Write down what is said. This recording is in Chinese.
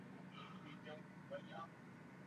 曾任中国人民解放军南京军区炮兵参谋长。